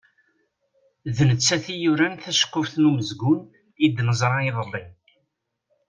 D nettat i yuran taceqquft n umezgun i d-neẓra iḍelli.